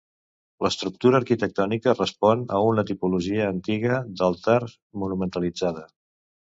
L'estructura arquitectònica respon a una tipologia antiga d'altar monumentalitzada.